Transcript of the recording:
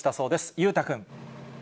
裕太君。